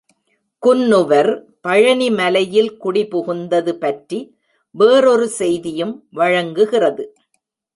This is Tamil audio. குன்னுவர் பழனிமலையில் குடிபுகுந்தது பற்றி வேறொரு செய்தியும் வழங்குகிறது.